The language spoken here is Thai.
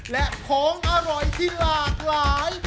และของอร่อยที่หลากหลาย